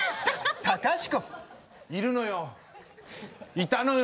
いたのよ